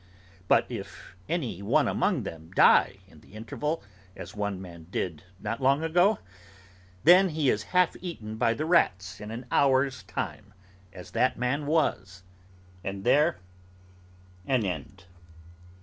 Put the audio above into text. —But if any one among them die in the interval, as one man did, not long ago? Then he is half eaten by the rats in an hour's time; as that man was; and there an end.